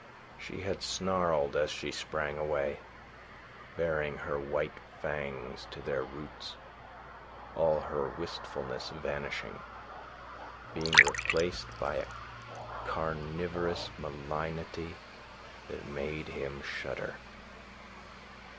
She had snarled as she sprang away, baring her white fangs to their roots, all her wistfulness vanishing, being replaced by a carnivorous malignity that made him shudder.